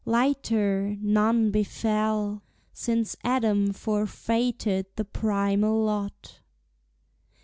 lighter, none befell, Since Adam forfeited the primal lot.